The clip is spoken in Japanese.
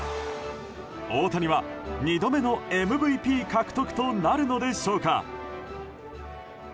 大谷は２度目のＭＶＰ獲得となるのでしょうか？